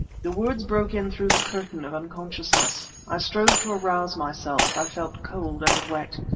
The words broke in through the curtain of unconsciousness. I strove to arouse myself. I felt cold and wet.